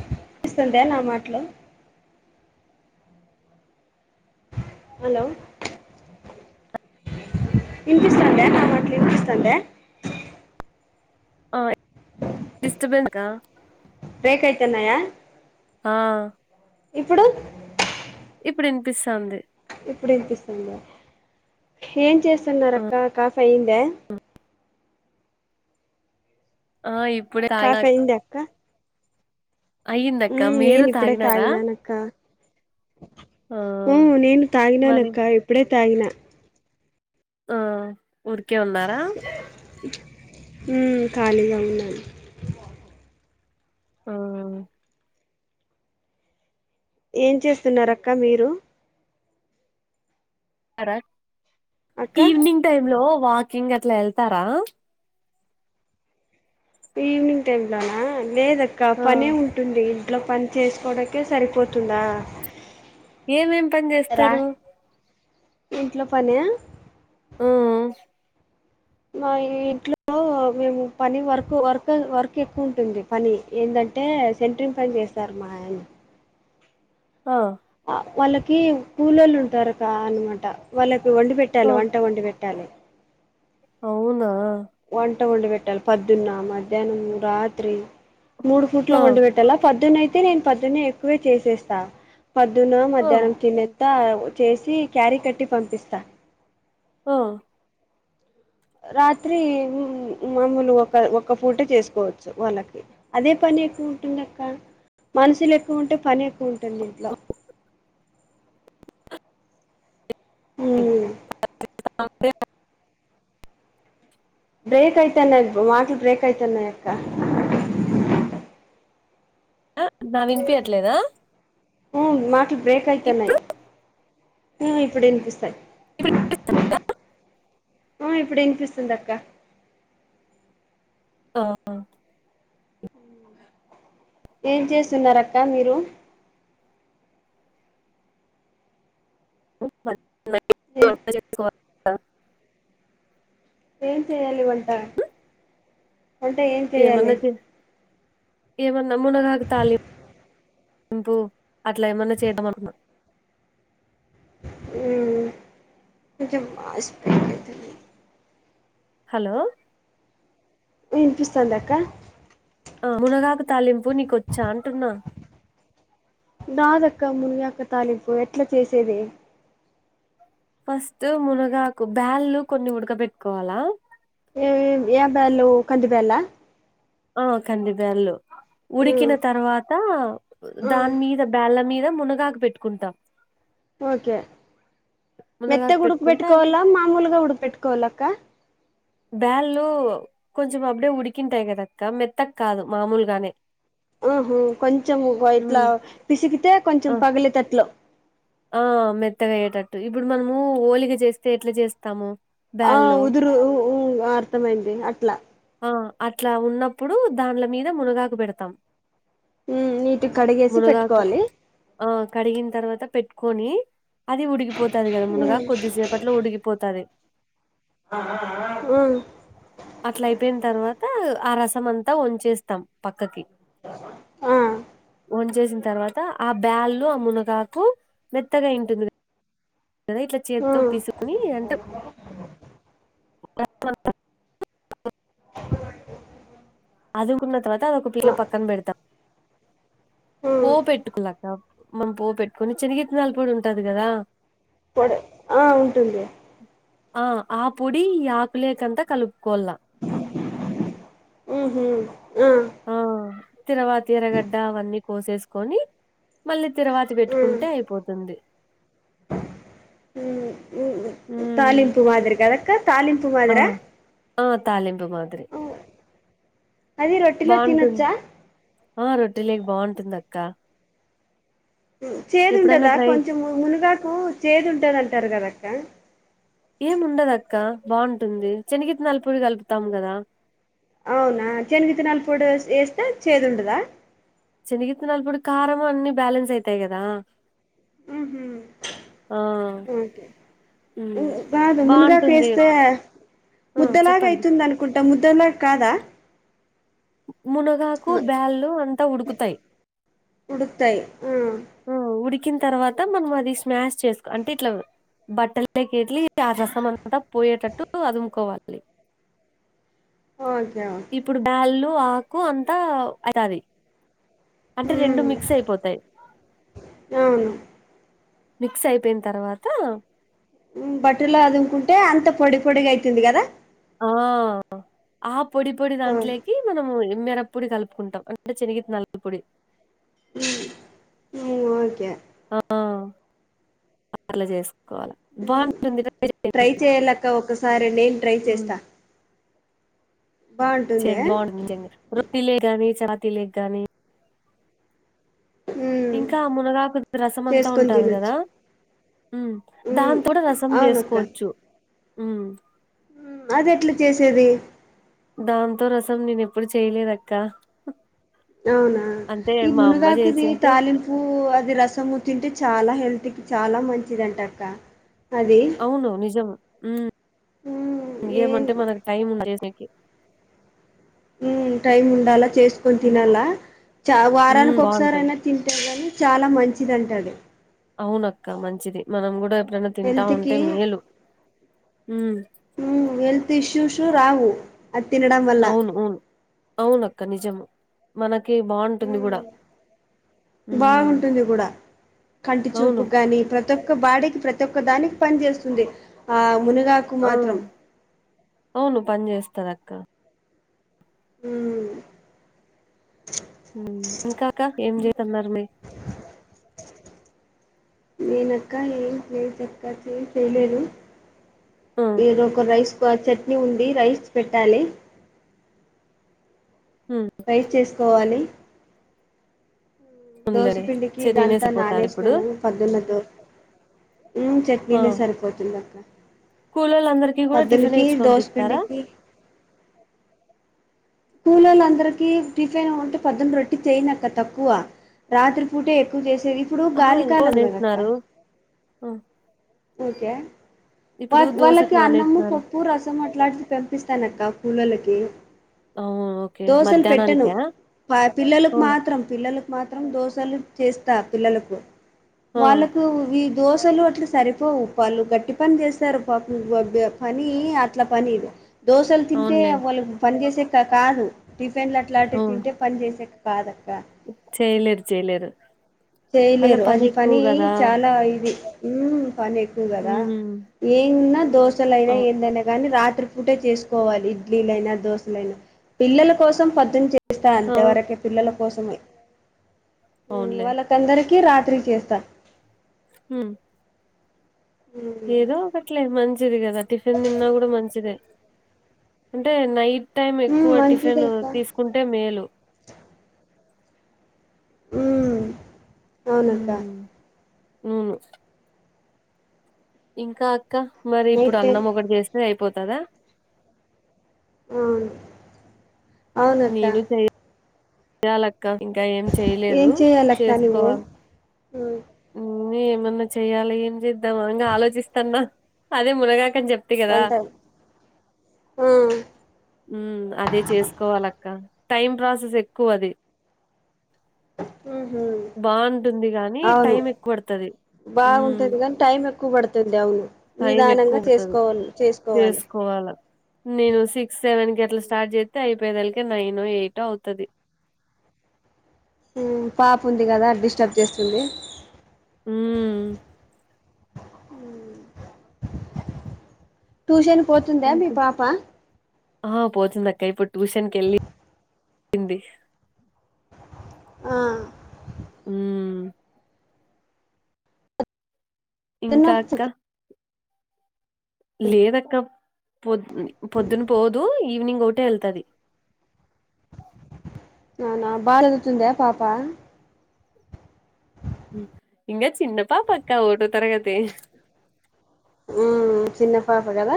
వినిపిస్తుందా నా మాటలు హలో వినిపిస్తాందా నా మాటలు వినిపిస్తాందా ఆ డిస్టబెన్స బ్రేక్ అయితున్నాయా ఆ ఇప్పుడు ఇప్పుడు వినిపిస్తంది ఇప్పుడు ఇనిపిస్తుందా ఏం చేస్తున్నారు ఆ అక్క కాఫీ అయ్యిందా ఆ ఇప్పుడు ఏడ కాఫీ క్ అయిందా అక్క ఉమ్ మీరు నేనను ఇప్పుడే తాగినారా తాగినా నక్క ఆ ఊ నేను మరి తాగినానక్క ఇప్పుడే తాగిన ఆ ఊరికే ఉన్నారా ఊ ఖాళీగానే ఉన్నాను ఆ ఏం చేస్తున్నారు అక్క మీరు అక్క ఈవినింగ్ టైమ్ లో వాకింగ్ అట్లా వెళ్తారా ఈవినింగ్ టైం లోనా లేదక్క ఆ పనే ఉంటుంది ఇంట్లో పని చేసుకోవడానికే సరిపోతుందా ఏమేం పని రా చేస్తారు ఇంట్లో పనా ఊ మా ఇంట్లో మేము పని వర్క్ వర్క్ వర్క్ ఎక్కువ ఉంటుంది పని ఏంటంటే సెంటరింగ్ పని చేస్తారు మా ఆయన ఆ వాళ్ళకి కోలోళ్ళుఉంటారు క అనమాట వాళ్ళకి వండి ఆ పెట్టాలి వంట వండి పెట్టాలి ట్టాలి అవునా వంట వండి పెట్టాలి పొద్దున్న మధ్యాహ్నము రాత్రి మూడు ఫుట్ల ఆ వండు పెట్ట తెల్లారి పొద్దున్నే అయితే నేను పొద్దున్న ఎక్కువే చేసేస్తా పొదున్న ఆ మధ్యాహ్నం తిన్న త్త చేసి క్యారీ కట్టి పంపిస్తా హా రాత్రి మాములు ఒక ఒక పూట చేసుకోవచ్చు వాళ్ళకి అదే పని ఎక్కువ ఉంటుంది అక్క మనుషులు ఎక్కువ ఉంటే పని ఎక్కువ ఉంటుంది ఇంట్లో ఉమ్ అంతేలే బ్రేక్ అయితున్నాయి మాటలు బ్రేక్ అయితున్నాయక్క ఆ నావి వినిపియట్లేదా ఊ మాటలు బ్రేక్ అయితున్నాయి ఇప్పుడు ఊ ఇప్పుడు వినిపిస్తాయి ఇప్పుడు ఊ ఇప్పుడు ఇనిపిస్తుంది అక్క ఆ ఏం చేస్తున్నారక్క మీరు ఏ ఆ, ఏం చెయాలి వంట వంట ఏం చేయ్యాలి ఏమన్నా చే ఏమన్నా మునగాకు తాళింపు అట్లా ఏమన్నా చేద్ధం అనుకున్న మ్ హలో వినిపిస్తాందక్క ఆ మునగాకు తాలింపు నీకొచ్చా అంటున్నా రాదక్క మునిగకు తాలింపు ఎట్లా చేసేది ఫస్ట్ మునగాకు బ్యాల్ కొన్ని ఉడక పెెట్టుకోవాలా మ్ ఏ బ్యాల్లు కంది బ్యాల ఆ కంది బ్యాల్లు ఉడికిన తర్వాత దానిమీద బేళ్ళ మీద మునగాకు పెట్టుకుంటాం ఓకే మెత్త మునగాకు ఉడుకు పెట్టుకుంటే అది పెట్టుకోవాలా మామూలుగా ఉడుక పెట్టుకోవాల అక్క బ్యాళ్లు కొంచెం అప్పుడే ఉడికింటాయి కదక్క మెత్తక్ కాదు మామూలుగానే ఆహ కొంచెం ఉమ్ ఇట్లా పిసికితే కొంచెం ఆ పగిలితట్లు ఆ మెత్తగాయ్యేటట్టు ఇప్పుడు మనము ఓలిగ చేస్తే ఎట్లా చేస్తాము ఆ బ్యాళ్ళు ఉదురుఊ అర్థమైంది అట్లా ఆ అట్లా ఉన్నప్పుడు దాన్ల మీద మునగాకు పెడతాం మ్ నీటిగ కడిగేసి మునగాకు పెట్టుకోవాలి ఆ కడిగిన తర్వాత పెట్టుకొని అది ఉడికిపోతది కదా మునగా కొద్దిసేప్ పట్లో ఉడిపోతది మ్ అట్ల అయిపోయిన తర్వాత ఆ రసం అంతా వంచేస్తాం పక్కకి స వంచేేసిన తర్వాత ఆ బ్యాల్లు ఆ మునగాకు మెత్తగాయి ఉంటుంది కదా ఇట్లా చేత్తో పీసుకుని అంటే అ అదుముకున్న తర్వాత అదొక పిల్ల పక్కన పెడతాం పో పెట్టుకోవాలక్క మనం పోపెట్టుకొని చిన్నగిత్తనాల పో డి ఉంటది కదా పొడి ఆ ఉంటుంది ఆ ఆ పోడి ఈ ఆక్లేకంత కలుపుకోల్లా మ్ హు ఆ ఆ తిరువాత ఎర్రగడ్డ అవన్నీ కోసేసుకొని మళ్ళీ తిరువాతి పెట్టుకుంటే అయిపోతుంది మ్ మ్ ఉమ్ తాలింపు మాదిరి కదక్క తాలింపు ఆ మాదిరా ఆ తాలింపు మాదిరి అది రొట్టెలో బాగుంటుంది తినొచ్చా ఆ రొట్టే లేకి బాగుంటుంది అక్క మ్ చేదు ఎప్పుడన్నా ఉంటదా ట్రై కొంచెం మునుగాకు చేది ఉంటుందంటారు కదక్క ఏం ఉండదక్క బాగుంటుంది శనగిత్త నల పొడి కలుపుతాం కదా అవునా షనగిత్తనాల ఫొడి వేస్తే చేదు ఉండదా శనిగిత్తన పొడి కారం అన్ని బ్యాలెన్స్ అయితాయి కదా మ్ హు ఆ ఓకే ఉమ్ కాదు మునగా బాగుంటుంది కేస్తే ఆ చెప్పండి ముద్ద్దలాగయితుందను కుంట ముద్దలాగ కాదా మునగాకు బ్యాళ్ళు అంతా ఉడుకుతాయి ఉడుకుతాయి ఆ మ్ ఉడికిన తర్వాత మనం అది స్మాష్ చేసుకో అంటే ఇట్లా బట్టలోకి ఎల్లి ఆ రసం అంతా పోయేటట్టు అదుముకోవాలి ఓకే ఓకే ఇప్పుడు బ్యళ్ళు ఆకు అంతా మిక్స్ అయితాది అంటే రెండు ఉమ్, మిక్స్ అయిపోతాయి అవును మిక్స్ అయిపోయిన తర్వాత బట్టలో అదుముకుంటే అంత పొడి పొడిగా అయితుంది కదా ఆ ఆ పొడి పొడి ఓ, దాంట్లోకి మనము మీరప్ పొడి కలుపుకుంటాం అంటే చెనిగిత్తానాల పొడి ఉ ఉ ఓకే ఆ అట్లా చేస్ బాగుంటుంది ట్రై చెయ్ చేయాలక్క ఒకసారి నేను ట్రై చేస్తా బాగుంటుంది చెండి బాగుంటుంది నిజంగా రొట్టిలోకి గాని చపాతీలో గాని ఉమ్ ఇంకా మునగాకుది రసం అంతా చేసుకొని ఉంటది కదా తినొచ్చు ఉ ఉమ్ దాంతో కూడా రసం అవునక్క చేసుకోవచ్చు ఉమ్ అది ఎట్లా చేసేది దాంతో రసం నేను ఎప్పుడు చేయలేదు అక్క అవునా ఈ మునుగకుది జేసింటే తాలీం పు అది రసము తింటే చాలా హెల్త్కి చాలా మంచిదంట అక్క అది అవును నిజం ఉమ్ ఏం ఏమంటే మనకు టైం ఉంటే చేసేకి టైమ్ ఉండాలా చేసుకొని హ్మ్. తినాలా చ హ్మ్. వారానికి ఒకసారి బావుంటది. అయినా తింటె కానీ చాలా మంచిది అంట అది అవునక్క మంచిది మనం కూడా ఎప్పుడనా హెల్త్ కి హ్మ్. హెల్త్ ఇష్యూస్ రావు అది తినడం వా అవును అవును అవునక్క నిజం మనకి బాగుంటుంది కూడా బాగుంటుంది కూడా కంటి అవును. చూపుగాని ప్రతి ఒక్క బాడికి ప్రతి ఒక్క దానికి పని చేస్తుంది ఆ మునగా ఆ అవును పని చేస్తాదక్క ఊ ఇంకా అక్క ఏం చేస్తున్నారు మరి నేనక్క ఏం లేదక్క ఎమ్ చేయలేదు ఆ! ఏదో ఒక రైస్ చట్నీ ఉంది రైస్ పెట్టాలి ఉ రైస్ చేసుకోవాలి అవునులేండి దోసపిండికి సరే, నేనే ఇదంతా సరిపోతాది ఇప్పుడు నానేసినాను పొద్దున్న దో ఆ చట్నీనే సరిపోతుంది అక్క కూలోళ్ళందరికీ కూడా టిఫినే పొద్దున్నకి ఇచ్చి దోశ పంపిస్తారా పిండికి కూలోల్లు అందరికీ టిఫిన్ ఉంటే పొద్దున్న రొట్టి చెయ్యనక్క తక్కువ రాత్రి పూటే ఎక్కువ చేసేది ఇప్పుడు ఆహా గాలికాలం కదక్క నానేసినారు ఓకే వా ఇప్పుడు దోశకు వాళ్ళకి అన్నము నానేసినారు పప్పు రసం రసం అట్లాంటివి పంపిస్తాను అక్క కూలోళ్లకి అవును ఓకే దోశలు పెట్టను మధ్యాహ్నానికా ప పిల్లలకు అవును మాత్రం పిల్లలు మాత్రం దోసలు చేస్తా పిల్లలకు ఆ వాళ్ళకు ఈ దోసలు అట్ల సరి పోవు వాళ్లు గట్టి పని చేస్తారు పాపం పని అట్ల పనిది దోశలు తింటే అవునులే వాళ్ళు పని చేసేకి కాదు టిఫిన్లు అట్లాంటివి అవును తింటే పని చేసేకి కాదక్క చేయలేరు చేయలేరు వాళ్ళ చేయలేరు అది ఎక్కువ పని కదా చాలా ఈజి ఊ పని ఎక్కువ కదా ఉమ్ ఏమున్నా దోశలైనా అవును ఏందైనా కానీ రాత్రి పూటే చేసుకోవాలి ఇడ్లీలైనా దోశలైనా పిల్లల కోసం పద్దుని చేస్తా ఆ అంతేవరకే పిల్లల కోసమే అవును లే తందరికి రాత్రి చేస్తా ఉ మ్మ్ ఏదో ఒకట్లే మంచిది కదా టిఫిన్ తిన్నా కూడా మంచిదే అంటే నైట్ టైం మ్మ్ ఎక్కువ మంచిదే టిఫిన్ అక్క తీసుకుంటే మేలు ఊ అవునక్క ఊ ఇంకా అక్క మరి ఇప్పుడు నైట్ టైం అన్నం ఒకటి చేస్తే అయిపోతదా అవును అవునక్క నేను చెయ చేయాలక్క ఇంకా ఏం చేయలేదు చేసుకోవాలి ఆ ఏంది ఏమన్నా చేయ్యాలి ఏం చేద్దాం అనగా ఆలోచిస్తాన్నా అదే మునగాకని చెప్ వంటాం ఆ ఉ అదే చేసుకోవాలక్క టైం ప్రాసెస్ ఎక్కువ అది ఊహు బాగుంటుంది కాని టైం ఎక్కువ పడుతది ఊ బాగుంటది కానీ టైం ఎక్కువ పడుతది అవును నిదానంగా చేసుకోవాల చేసుకోవాలి కోవాల నేను సిక్స్ సెవెన్ కి ఎట్లా స్టార్ట్ చేతే అయిపోయేదలకి నైన్ ఎయిట్ అవుతది ఊ పాపు ఉంది కదా డిస్టర్బ్ చేస్తుంది ఊ ట్యూషన్ పోతుందా మీ ఇంకా పాప ఆ పోతుంది అక్క ఇప్పుడు ట్యూషన్కి వెళ్ళింది ఆ ఊ చిన్న ఇంకా అక్క లేదక్క పొద్ పొద్దున పోదు ఈవినింగ్ ఒకటే వెళ్తది నానా బా చదుతుంద పాప ఇంక చిన్న పాపక్క ఓకటో తరగతి ఊ చిన్న పాప కదా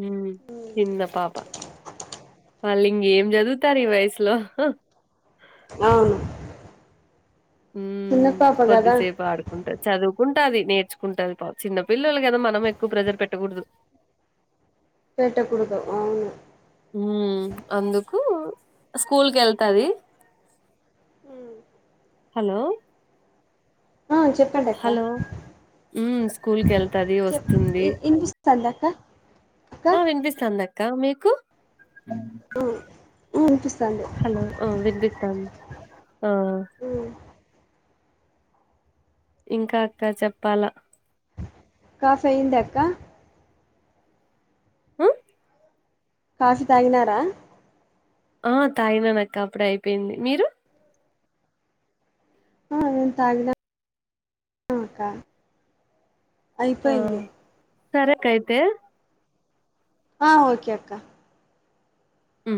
ఊ చిన్న పాప వాళ్ళు ఇంకేం చదువుతారు ఈ వయసులో అవును ఊ చిన్న పాప కదా కొద్దిసేపు ఆడుకు ఉంటది చదువుకుంటది నేర్చుకుంటది చిన్న పిల్లలు కదా మనం ఎక్కువ ప్రెజర్ పెట్టకూడదు పెట్టకూడదు అవును ఊ అందుకు స్కూల్ కు వెళ్తాది ఊ హలో ఆ చెప్పండి అక్క ఉ స్కూల్ కి వెళ్తది వస్తుంది చందక్క ఆ వినిపిస్తాందక్క మీకు అ అనిపిస్తంది హలో అ వినిపిత్తాంది ఆ అ ఇంకా అక్క చెప్పాలా కాఫీ అయిందా అక్క హా కాశీ తాగినారా ఆ తాగినాను అక్క అప్పుడే అయిపోయింది మీరు ఆ నేను తాగినా ఆ అక్క ఆ అయిపోయింది సరే అక్క అయ్యితే ఆ ఓకే అక్క ఉ